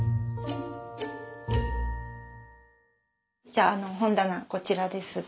じゃあ本棚こちらです。